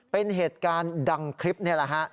เป็นเหตุการณ์ดังคลิปนี่แหละฮะ